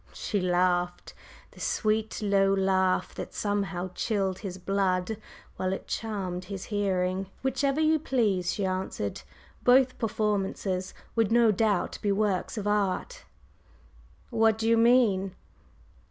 She laughed, the sweet, low laugh that somehow chilled his blood while it charmed his hearing. "Whichever you please," she answered. "Both performances would no doubt be works of art!" "What do you mean?"